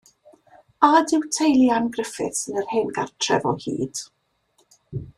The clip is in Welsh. A ydyw teulu Ann Griffiths yn yr hen gartref o hyd?